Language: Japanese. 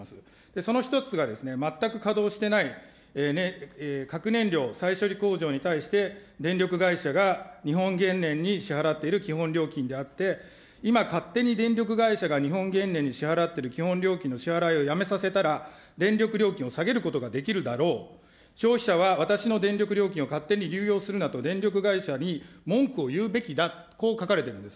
その一つが全く稼働していない核燃料再処理工場に対して、電力会社が日本原燃に支払っている基本料金であって、今、勝手に電力会社が、日本原燃に支払っている基本料金の支払いをやめさせたら、電力料金を下げることができるだろう、消費者は私の電力料金を勝手に流用するなと、電力会社に文句を言うべきだと、こう書かれてるんです。